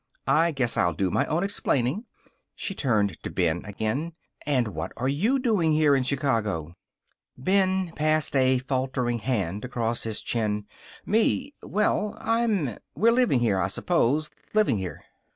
"I guess I'll do my own explaining." She turned to Ben again. "And what are you doing here in Chicago?" Ben passed a faltering hand across his chin. "Me? Well, I'm we're living here, I s'pose. Livin' here."